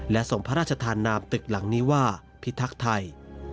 และส่งพระราชทานนามตึกหลังนี้ว่าพิทักษ์ไทย